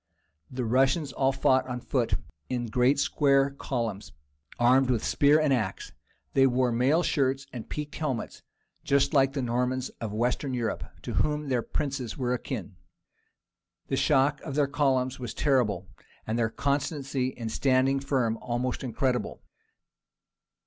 The Russians all fought on foot, in great square columns, armed with spear and axe: they wore mail shirts and peaked helmets, just like the Normans of Western Europe, to whom their princes were akin. The shock of their columns was terrible, and their constancy in standing firm almost incredible.